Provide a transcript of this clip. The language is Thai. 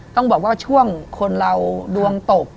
ต้องบอกว่าช่วงคนเราดวงตก